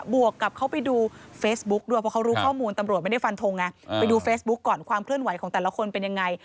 วกกับเขาไปดูเฟซบุ๊กด้วยเพราะเขารู้ข้อมูลตำรวจไม่ได้ฟันทงไงไปดูเฟซบุ๊กก่อนความเคลื่อนไหวของแต่ละคนเป็นยังไง